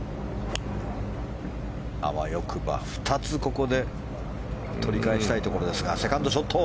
あわよくば２つここで取り返したいところですがセカンドショット。